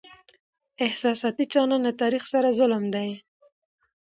احساساتي چلند له تاريخ سره ظلم دی.